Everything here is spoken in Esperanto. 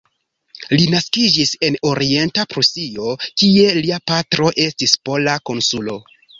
Li naskiĝis en Orienta Prusio, kie lia patro estis pola konsulo.